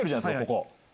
ここ。